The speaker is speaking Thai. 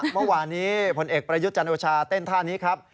เมื่อวานนี้ผลเอกประยุทธ์จันโอชาเต้นท่านี้ครับ